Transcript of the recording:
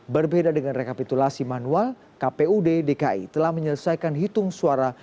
berbeda dengan rekapitulasi manual kpud dki telah menyelesaikan hitung suara